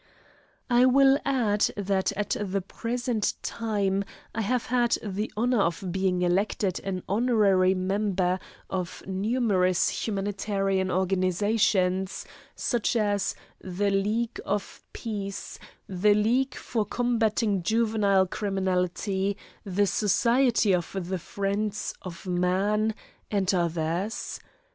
I will add that at the present time I have had the honour of being elected an honourary member of numerous humanitarian organisations such as "The League of Peace," "The League for Combating Juvenile Criminality," "The Society of the Friends of Man," and others.